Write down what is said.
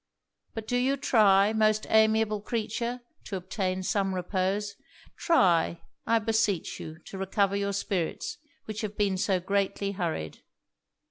But do you try, most amiable creature! to obtain some repose Try, I beseech you, to recover your spirits, which have been so greatly hurried.'